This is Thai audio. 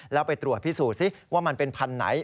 แล้วไปตรวจพิสูจน์ซิว่ามันเป็นพันธุ์ไหน